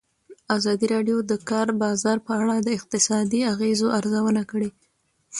ازادي راډیو د د کار بازار په اړه د اقتصادي اغېزو ارزونه کړې.